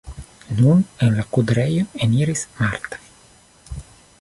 Nun en la kudrejon eniris Marta.